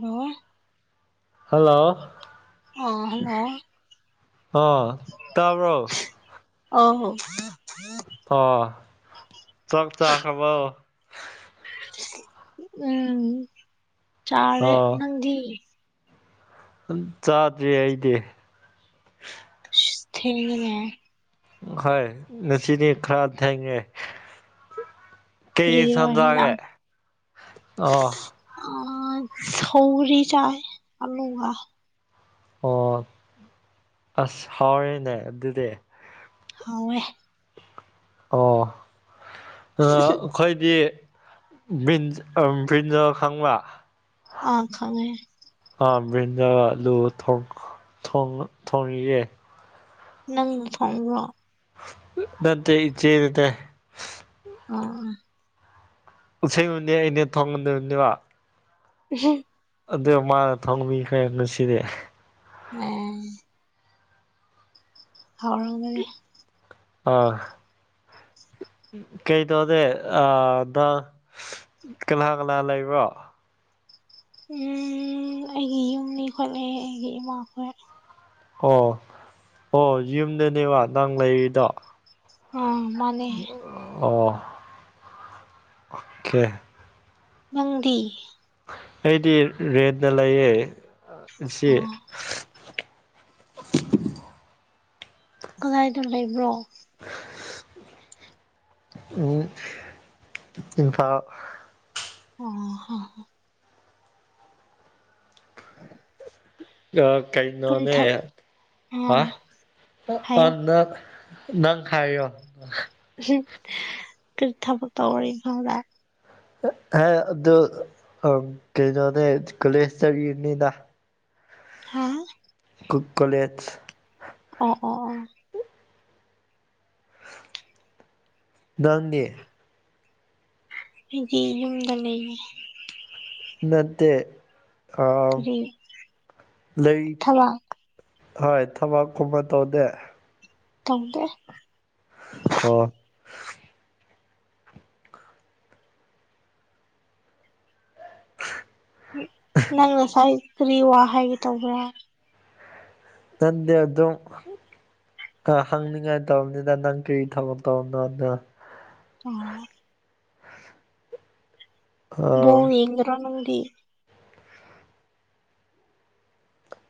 hello hello ꯑꯥ hello ꯑ ꯇꯥꯕ꯭ꯔꯣ ꯑꯧ ꯑ ꯆꯞ ꯆꯥꯛꯈ꯭ꯔꯕ‌ꯣ ꯎꯝ ꯆꯥꯔꯦ ꯑ ꯅꯪꯗꯤ ꯆꯥꯗ꯭ꯔꯤ ꯑꯩꯗꯤ ꯊꯦꯡꯉ‌ꯦꯅꯦ ꯍꯣꯏ ꯅꯁꯤꯗꯤ ꯈꯔꯗ ꯊꯥꯏꯦ ꯀꯩ ꯏꯟꯁ ꯀꯔꯤꯔ ꯖꯥꯒꯦ ꯍꯤꯟꯖꯥꯡ ꯑ ꯑ‌ꯣ ꯑ ꯁꯧꯔꯤ ꯆꯥꯏ ꯑꯂꯨꯉ ꯑꯣ ꯑꯁ ꯍꯥꯎꯔꯦꯅꯦ ꯑꯗꯨꯗꯤ ꯍꯥꯎ ꯑꯦ ꯑꯣ ꯑꯥ ꯑꯩꯈꯣꯏꯗꯤ ꯕꯤꯟ ꯑꯥ ꯕ꯭ꯔꯤꯟ ꯖꯥꯜ ꯈꯪꯕ ꯑ ꯈꯥꯡꯉꯦ ꯑ ꯕ꯭ꯔꯤꯟꯖꯂꯨ ꯊꯣꯡꯉꯌꯦ ꯅꯪꯅꯥ ꯊꯣꯡ ꯑꯣ ꯅꯠꯇꯦ ꯏꯆꯦ ꯅꯠꯇꯦ ꯑ ꯑ ꯑꯁꯦꯡꯕꯥꯗꯤ ꯑꯩꯅ ꯊꯣꯡꯒꯗꯕꯅꯦꯕ ꯎꯝ ꯑꯗꯨ ꯃꯥꯅ ꯊꯪꯕꯤꯈ꯭ꯔꯦ ꯉꯁꯤꯗꯤ ꯎꯝ ꯍꯥꯎꯔꯝꯒꯅꯤ ꯑꯥ ꯀꯩꯩꯅꯣꯅꯦ ꯑ ꯀꯂꯥ ꯀꯂꯥ ꯂꯩꯕ꯭ꯔꯣ ꯎꯝ ꯑꯩꯒꯤ ꯌꯨꯝꯅꯤ ꯈꯣꯠꯂꯦ ꯑꯩꯒꯤ ꯏꯃꯥꯈꯣ ꯑꯣ ꯑꯣ ꯌꯨꯝꯗꯅꯦꯕ ꯅꯪ ꯂꯩꯔꯤꯗꯣ ꯑꯥ ꯃꯥꯅꯦ ꯑꯣ ꯑꯣꯀꯦ ꯅꯪꯗꯤ ꯑꯩꯗꯤ ꯔꯦꯠꯅ ꯂꯩꯌꯦꯦ ꯁꯤ ꯑꯣ ꯀꯗꯥꯥꯏꯗ ꯂꯩꯕ꯭ꯔꯣ [inaudible] ꯎꯝ ꯏꯝꯐꯥ ꯑꯣ ꯍ ꯑ ꯀꯔꯤ ꯀꯩꯅꯩꯅꯣꯅꯦ ꯊꯕꯛ ꯑꯥ ꯍꯥꯏꯌꯣ ꯑꯅ ꯅꯪ ꯍꯥꯏꯥꯏꯌꯣ ꯀꯔꯤꯊ ꯄꯠꯇ ꯋꯥꯔꯤ ꯐꯥꯎꯗꯥ ꯑꯗꯨ ꯀꯩꯅꯣꯅꯦ ꯀꯂꯦꯁ ꯆꯔꯤꯅꯤꯅ ꯍꯥꯥ ꯀꯨꯀꯂꯦꯠ ꯑꯣ ꯑꯣ ꯑꯣ ꯉꯥꯡꯒꯦ ꯗꯒꯤ ꯌꯨꯝꯗ ꯂꯩ ꯅꯠꯇ ꯑ ꯀꯔꯤ ꯂꯩ ꯊꯕꯛ ꯍꯣꯏ ꯊꯕꯛ ꯀꯨꯝꯕ ꯇꯧꯗꯦ ꯊꯧꯦ ꯑꯣ ꯅꯪꯅꯁꯥꯏ ꯀꯔꯤ ꯋꯥ ꯍꯥꯏꯒꯦ ꯇꯧꯕ꯭ꯔꯥ ꯇꯗꯦ ꯑꯗꯨ ꯑꯗꯨꯝ ꯑ ꯍꯪꯅꯤꯡꯉꯥꯏ ꯇꯧꯔꯅꯤꯗ ꯅꯪ ꯀꯔꯤ ꯊꯕꯛꯛꯇꯧꯅꯣꯗ ꯑꯣ ꯑꯥ ꯌꯦꯡꯖꯔꯣ ꯅꯗꯤ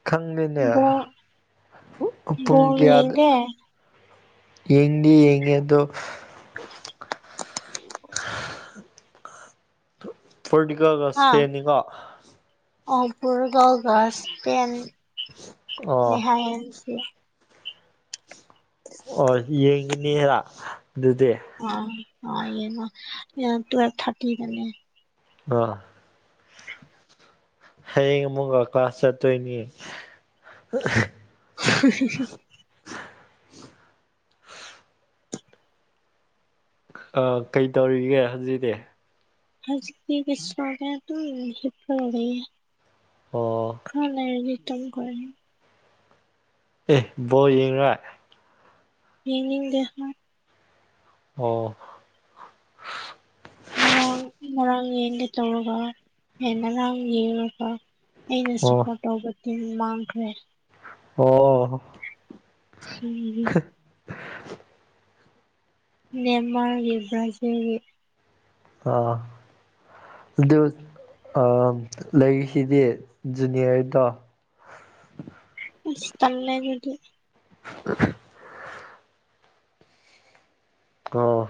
ꯈꯪꯉꯅꯦ ꯕꯣꯜ ꯄꯨꯡ ꯕꯣꯜ ꯀꯌꯥꯗ ꯌꯦꯡꯗꯦ ꯌꯦꯡꯗꯤ ꯌꯦꯡꯉꯦꯗꯣ ꯄꯣꯔꯇꯨꯒꯜꯒ ꯁꯄꯦꯟꯅꯤꯀꯣ ꯑꯄꯨꯔꯒꯥꯎꯒꯁ ꯄꯦꯟ ꯑꯣ ꯅꯦꯍꯥꯏꯁꯤ ꯑꯣ ꯌꯦꯡꯉꯅꯤꯔ ꯑꯗꯨꯗꯤ ꯑ ꯇꯨꯋꯜ ꯊꯥꯔꯇꯤꯗꯦ ꯑꯥ ꯍꯌꯦꯡ ꯑꯃꯨ ꯀ꯭ꯂꯥꯁ ꯆꯠꯇꯣꯏꯅꯤ [unintelligible] ꯑ ꯀꯩ ꯇꯧꯔꯤꯒꯦ ꯍꯧꯖꯤꯛꯗꯤ ꯍꯖꯤꯛꯇꯤ ꯀꯩꯁꯨ ꯇꯧꯗꯦ ꯑꯗꯨꯝ ꯍꯤꯞꯄꯒ ꯂꯩꯌꯦ ꯑꯣ ꯈ ꯂꯩꯔꯗꯤ ꯇꯨꯝꯒꯔꯅꯤ ꯑꯦ ꯕꯣꯜ ꯌꯦꯡꯒꯤꯔ ꯌꯦꯡꯅꯤꯡꯗꯦ ꯃꯥꯏ ꯑꯣ ꯉꯔꯥꯡ ꯉꯔꯥꯡ ꯌꯦꯟꯒꯦ ꯇꯧꯔꯒ ꯉꯔꯥꯡ ꯌꯦꯡꯉꯒ ꯑꯩꯅ ꯑꯣ ꯁꯄꯔꯣꯠ ꯇꯧꯕ ꯇꯤꯝ ꯃꯥꯡꯈ꯭ꯔꯦ ꯑꯣ ꯎꯝ [inaudible] ꯅꯦꯃꯥꯔꯒꯤ ꯕꯔꯥꯖꯤꯜꯒꯤ ꯑꯥ ꯑꯗꯨ ꯑ ꯂꯩꯔꯤꯁꯤꯗꯤ ꯖꯨꯅꯤꯌꯔꯗꯣ ꯏꯁ ꯇꯜꯂꯩ ꯑꯗꯨꯗꯤ [unintelligible] ꯑ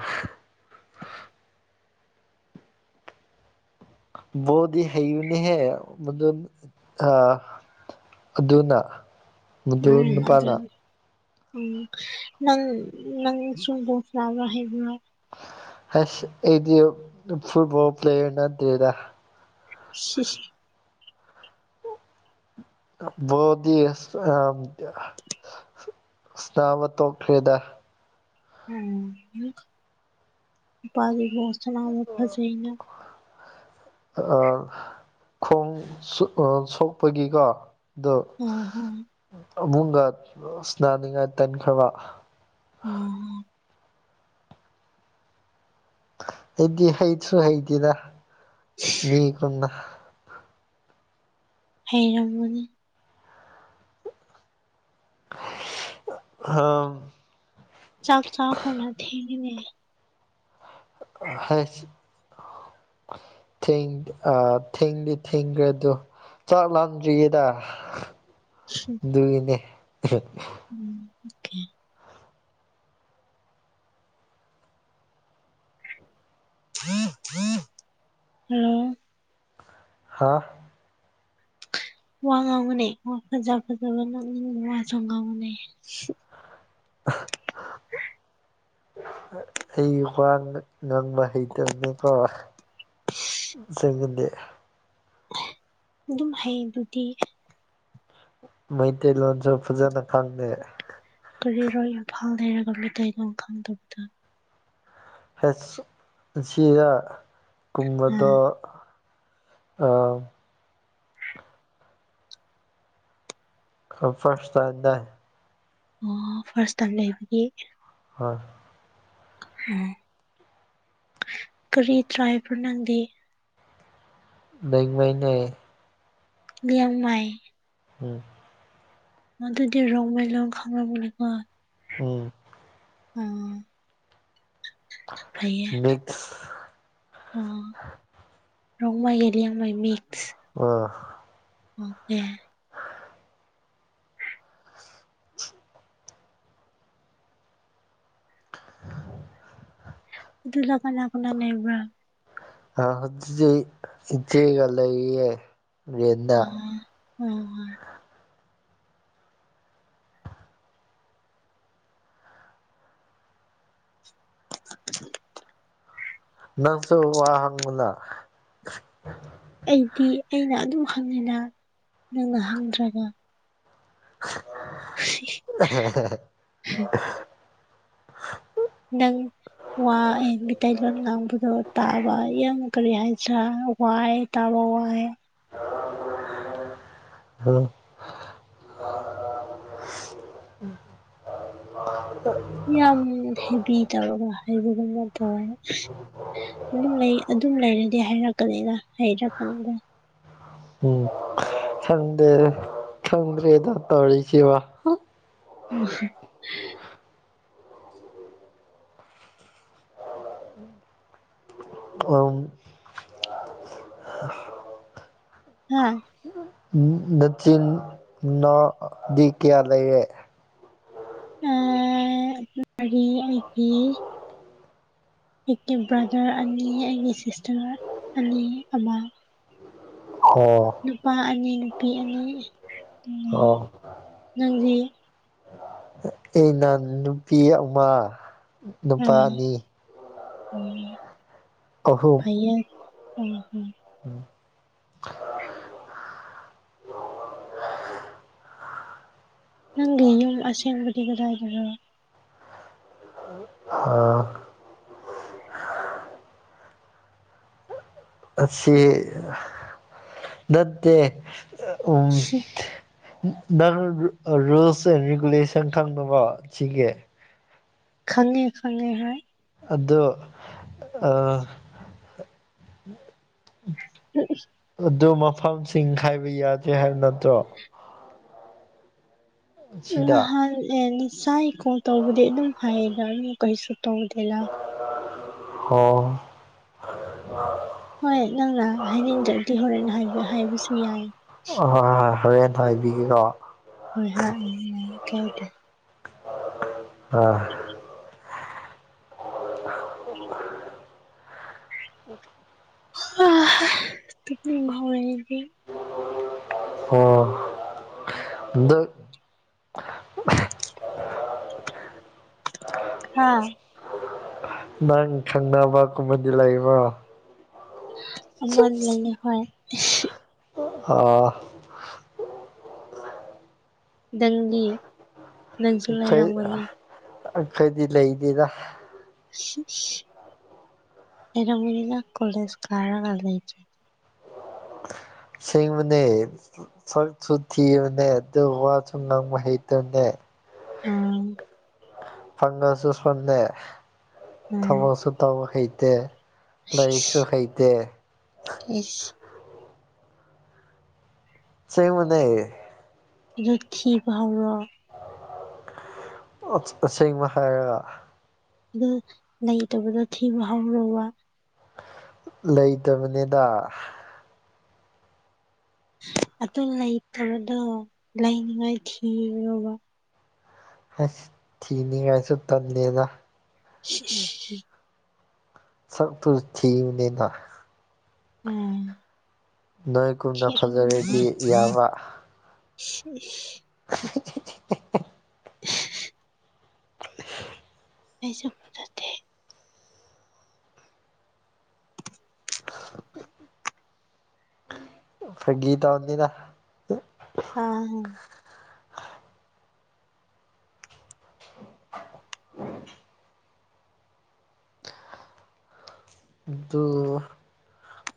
ꯕꯣꯜꯗꯤ ꯍꯩꯕꯅꯤꯍꯦ ꯃꯗꯨ ꯑ ꯑꯗꯨꯅ ꯃꯗꯨ ꯎꯝ ꯅꯨꯄꯥꯅ ꯑꯗꯨꯅꯤ [unintelligible] ꯑꯁ ꯑꯩꯗꯤ ꯐꯨꯠꯕꯣꯜ ꯄ꯭ꯂꯦꯌꯔ ꯅꯠꯇꯦꯗ ꯁꯤ ꯁꯤ [unintelligible] ꯏꯁꯅꯥꯕ ꯇꯣꯛꯈꯔꯦꯗ [unintelligible] ꯑ ꯈꯣꯡ ꯁꯣꯛ ꯑ ꯁꯣꯛꯄꯒꯤꯀꯣ ꯑꯗꯣ ꯎꯝ ꯍꯝ ꯑꯝꯃꯨꯡꯒ ꯁꯅꯥꯅꯤꯡꯉꯥꯏ ꯇꯟꯈ꯭ꯔꯕ ꯎꯝ ꯑꯩꯗꯤ ꯍꯩꯁꯨ ꯍꯩꯇꯦꯗ ꯃꯤ ꯄꯨꯟꯕ ꯍꯩꯔꯝꯒꯅꯤ [unintelligible] ꯆꯥꯛ ꯆꯥꯛꯄꯅ ꯊꯦꯡꯉꯤꯅꯦ [unintelligible] ꯊꯦꯡ ꯑ ꯊꯦꯡꯗꯤ ꯊꯦꯡꯒꯔꯦ ꯑꯗꯨ ꯆꯥꯛ ꯂꯥꯝꯗ꯭ꯔꯤꯌꯦꯗ ꯑꯗꯨꯒꯤꯅꯦ [unintelligible] [unintelligible] ꯍꯥ [unintelligible] [unintelligible] [unintelligible] ꯉꯥꯡꯕ ꯍꯩꯇꯝꯅꯦꯀꯣ ꯑꯁꯦꯡꯕꯗꯤ ꯑꯗꯨꯝ ꯍꯩꯗꯨꯗꯤ ꯃꯩꯇꯩ ꯂꯣꯟꯁꯨ ꯐꯖꯅ ꯈꯪꯗꯦ ꯀꯔꯤꯔꯣ ꯏꯝꯐꯥꯜ ꯂꯩꯔꯒ ꯃꯇꯩꯩꯂꯣꯟ ꯈꯪꯗꯕꯗꯨ ꯍꯁ ꯁꯤꯗ ꯀꯨꯝꯕꯗꯣ ꯑꯥ ꯑꯝ [unintelligible] ꯑꯣ ꯐꯥꯔꯁ ꯇꯥꯏꯝ ꯂꯩꯕꯒꯤ ꯍ ꯑ ꯀꯔꯤ ꯇ꯭ꯔꯥꯏꯞꯔꯥ ꯅꯪꯗꯤ ꯚꯦꯡꯋꯦꯅꯦ ꯂꯤꯌꯥꯡꯃꯥꯏ ꯎꯝ ꯃꯗꯨꯗꯤ ꯔꯣꯡꯃꯩ ꯂꯣꯟ ꯈꯪꯂꯝꯔꯣꯏꯀꯣ ꯎꯝ ꯎꯝ ꯐꯩꯌꯦ ꯃꯤꯛꯁ ꯑꯣ ꯔꯣꯡꯃꯩꯒꯤꯗꯤ [unintelligible] ꯌꯥꯝ ꯃꯥꯏꯃꯤ ꯑꯥ ꯑꯣꯀꯦ ꯗꯨꯅ ꯀꯅꯥ ꯀꯅꯥ ꯅꯩꯕ꯭ꯔꯥ ꯑ ꯑꯗꯨꯗꯤ ꯏꯆꯦꯒ ꯂꯩꯔꯤꯌꯦ ꯔꯦꯟꯗ ꯑꯣ ꯑꯣ [unintelligible] [inaudible] ꯅꯪꯁꯨ ꯋꯥ ꯍꯪꯉꯨꯅꯥ ꯑꯩꯗꯤ ꯑꯩꯅ ꯑꯗꯨꯝ ꯍꯪꯉꯤꯅ ꯅꯪꯅ ꯍꯪꯗ꯭ꯔꯒ ꯁꯤ ꯑꯍꯥꯍꯥ ꯅꯪ ꯋꯥ ꯑꯩ ꯃꯤꯇꯩꯂꯣꯟ ꯉꯥꯡꯕꯗꯣ ꯇꯥꯕ ꯌꯥꯝ ꯀꯔꯤ ꯍꯥꯏꯁꯤꯔꯥ ꯋꯥꯏ ꯇꯥꯕ [unintelligible] ꯋꯥꯏꯌꯣ ꯍꯜꯂꯣ [inaudible] ꯌꯥꯝ ꯍꯦꯚꯤ ꯇꯧꯔꯒ ꯍꯥꯏꯕꯒꯨꯝꯅ ꯇꯧꯔꯥꯏ ꯗꯨꯝ ꯂꯩ ꯑꯗꯨꯝ ꯂꯩꯔꯗꯤ ꯍꯥꯏꯔꯛꯀꯅꯤꯗ ꯍꯥꯏꯔꯛꯄ [unintelligible] ꯎꯝ ꯈꯪꯗꯦꯗ ꯈꯪꯗ꯭ꯔꯦꯗ ꯇꯧꯔꯤꯁꯤꯕꯣ ꯍ ꯎ [inaudible] ꯑꯥꯎꯟ ꯍꯥ ꯗꯆꯤꯟ ꯅꯣ ꯗꯤ ꯀꯤꯌꯥ ꯂꯩꯔꯦ ꯑ [unintelligible] ꯃꯔꯤ ꯑꯩꯗꯤ ꯑꯩꯀꯤ ꯕ꯭ꯔꯥꯗꯔ ꯑꯅꯤ ꯑꯩꯒꯤ ꯁꯤꯁꯇꯔ ꯑꯅꯤ ꯑꯃ ꯑꯣ ꯅꯨꯄꯥ ꯑꯅꯤ ꯅꯨꯄꯤ ꯑꯅꯤ ꯂꯩꯌꯦ ꯑꯣ ꯅꯪꯗꯤ ꯑꯩꯅ ꯅꯨꯄꯤ ꯑꯃ ꯑ ꯅꯨꯄꯥ ꯑꯅꯤ ꯎꯝ ꯐꯩꯌꯦ ꯎꯝ ꯎꯝ ꯎꯝ ꯅꯪꯒꯤ ꯌꯨꯝ ꯑꯁꯦꯡꯕꯗꯤ ꯀꯗꯥꯏꯗꯅꯣ ꯍꯥ ꯑꯁꯤ ꯅꯠꯇꯦ ꯎꯝ ꯁꯤ ꯅꯪꯔ ꯔꯨꯜꯁ ꯑꯦꯟ ꯔꯤꯒꯨꯂꯦꯁꯟ ꯈꯪꯉꯕꯣ ꯁꯤꯒꯤ ꯈꯪꯉꯦ ꯈꯪꯉꯦ ꯍꯥꯏ ꯑꯗꯣ ꯑ ꯑꯗꯨ ꯃꯐꯝꯁꯤꯡ ꯍꯥꯏꯕ ꯌꯥꯗꯦ ꯍꯥꯏꯕ ꯅꯠꯇ꯭ꯔꯣ ꯁꯤꯗ ꯅꯍꯥꯟ ꯑꯦꯅꯤ ꯁꯥꯏ ꯀꯣꯜ ꯇꯧꯕꯗꯤ ꯑꯗꯨꯝ ꯍꯥꯏꯌꯦꯗ ꯑꯃꯨꯛ ꯀꯩꯁꯨ ꯇꯧꯗꯦꯗ ꯍꯣ ꯍꯣꯏ ꯅꯪꯔ ꯍꯥꯏꯅꯤꯡꯗ꯭ꯔꯗꯤ ꯍꯣꯔꯦꯟ ꯍꯥꯏꯒꯦ ꯍꯥꯏꯕꯁꯨ ꯌꯥꯏ [unintelligible] ꯍꯣꯏ ꯍꯣꯍꯣ ꯍꯣꯔꯦꯟ ꯍꯥꯏꯕꯤꯒꯦꯀꯣ ꯍꯣꯏ ꯍꯥꯏ ꯏ ꯀꯥꯏꯗꯦ ꯑ ꯑ ꯍ [unintelligible] ꯑꯣ ꯑꯗ [unintelligible] ꯍꯥꯥ [unintelligible] ꯅꯪ ꯈꯪꯅꯕ ꯀꯨꯝꯕꯗꯤ ꯂꯩꯕ꯭ꯔꯣ ꯑꯃ ꯂꯩꯌꯦ ꯍꯣꯏ ꯑ [unintelligible] ꯅꯪꯗꯤ ꯑꯩꯈꯣꯏ ꯅꯪꯁꯨꯂꯩꯔꯝꯒꯅꯤ ꯑꯩꯈꯣꯏꯗꯤ ꯂꯩꯗꯦꯗ [unintelligible] ꯑꯦꯔ ꯃꯅꯤꯅ ꯀꯣꯂꯦꯖ ꯀꯥꯔꯒ ꯂꯩ [unintelligible] ꯁꯤꯡꯕꯅꯦ ꯁꯛꯁꯨ ꯊꯤꯕꯅꯦ ꯑꯗꯨꯒ ꯋꯥꯁꯨ ꯉꯪꯕ ꯍꯩꯇꯕꯅꯦ ꯑꯝ [unintelligible] ꯐꯪꯉꯁꯨ ꯁꯣꯟꯅꯦ [unintelligible] ꯎꯝ ꯊꯕꯛꯁꯨ ꯇꯧꯕ ꯍꯩꯇꯦ ꯂꯥꯏꯔꯤꯛꯁꯨ ꯍꯩꯇꯦ ꯏꯁꯁ [unintelligible] ꯁꯦꯡꯃꯅꯦ ꯑꯗꯨꯠ ꯊꯤ [unintelligible] ꯄꯥꯥꯎꯔꯣ ꯑ [unintelligible] ꯑꯁꯦꯡꯕ ꯍꯥꯏꯔꯒ ꯑꯣ ꯂꯩꯇꯕꯗ ꯊꯤꯕ ꯍꯧꯔꯣꯕ ꯂꯩꯇꯕꯅꯤꯗ ꯑꯗꯨ ꯂꯩꯇꯕꯗꯣ ꯂꯩꯅꯤꯡꯉꯥꯏ ꯊꯤꯌꯣꯕ ꯑꯁ ꯊꯤꯅꯤꯉꯥꯏꯁꯨ ꯇꯜꯂꯦꯗ [unintelligible] ꯁ ꯇꯨ ꯊꯤꯕꯅꯦꯅ ꯎꯝ ꯅꯣꯏꯒꯨꯝꯅ ꯊꯤꯔꯝꯃꯣꯏꯗ ꯐꯖꯔꯗꯤ ꯌꯥꯕ [unintelligible] [unintelligible] [unintelligible] [inaudible] ꯑꯩꯁꯨ [unintelligible] ꯖꯗꯦ ꯐ ꯒꯤꯇꯧ ꯅꯤꯗ ꯑꯥꯝ [unintelligible] ꯥꯇꯨ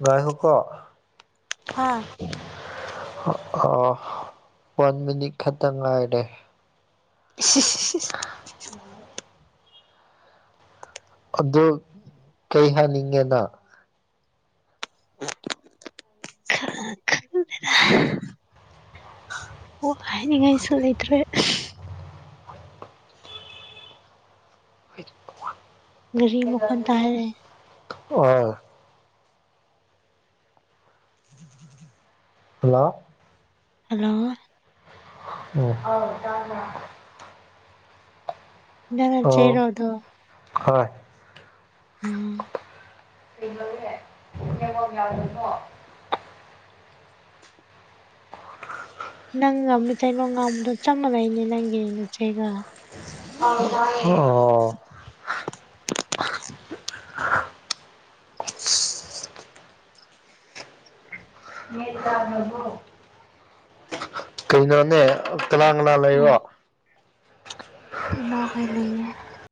ꯍꯥꯏ ꯍꯣꯛ ꯀꯣ ꯍꯥ ꯑꯣ ꯑ ꯑ ꯋꯥꯟ ꯃꯤꯅꯤꯠ ꯈꯠꯇꯪ ꯉꯥꯏꯔꯦ [unintelligible] [inaudible] ꯑꯗꯨ ꯀꯩ ꯍꯥꯏꯅꯤꯡꯉꯦꯅ [unintelligible] ꯈꯔ [unintelligible] [unintelligible] ꯋꯥ ꯍꯥꯏꯅꯤꯡꯉꯥꯏꯁꯨ ꯂꯩꯇ꯭ꯔꯦ ꯒꯔꯤ ꯃꯈꯣꯟ ꯇꯥꯔꯦ [unintelligible] ꯑꯣ ꯍꯜꯂꯣ ꯍꯜꯂꯣ ꯎꯝ ꯅꯪꯅꯆꯦꯔꯣ ꯑꯣ ꯑꯗꯨꯣ ꯍꯣꯏ ꯎꯝ [unintelligible] ꯅꯪ ꯉꯝꯃꯤ ꯇꯩꯅꯣ [unintelligible] ꯉꯝꯕꯗꯣ ꯆꯞ ꯃꯥꯟꯅꯩꯅꯦ ꯅꯪꯒꯤ ꯅꯆꯩꯒ ꯑꯣ [unintelligible] ꯀꯩꯅꯣꯅꯦ ꯀꯅꯥ ꯀꯅꯥ ꯂꯩꯕꯣ ꯃꯥ ꯑꯣꯏ [unintelligible] ꯌꯦ